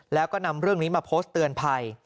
แล้วก็นำเรื่องนี้มาโพสต์เตือนภัย